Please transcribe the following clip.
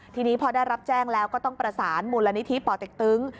ทีนี้พอได้รับแจ้งแล้วก็ต้องประสานมูลนิธิป่อเต็กตึง